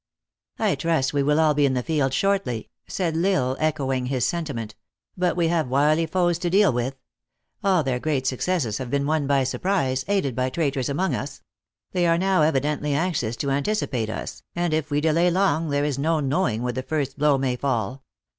" I trust we will all be in the field shortly," said L Isle, echoing his sentiment. " But we have wily foes to deal with. All their great successes have been won by surprise, aided by traitors among us. They are now evidently anxious to anticipate us, and if we delay long, there is no knowing where the first blow may fall.